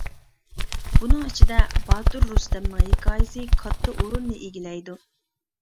بۇنىڭ ئىچىدە باتۇر رۇستەمنىڭ ھېكايىسى كاتتا ئورۇننى ئىگىلەيدۇ.